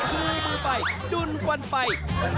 ลุยมือไปดุลฟันไป